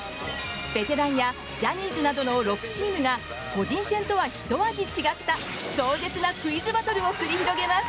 ベテランやジャニーズなどの６チームが個人戦とはひと味違った壮絶なクイズバトルを繰り広げます。